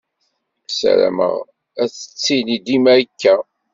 Ssarameɣ ad tettili dima akka.